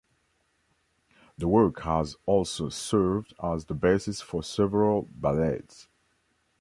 The work has also served as the basis for several ballets.